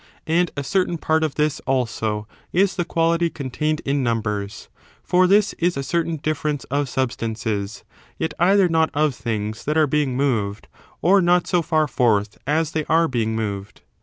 And a certain part of this, also, is the quality contained in numbers; for this is a certain diife rence of substances, yet either not of things that are being moved or not so far forth as they are being moved.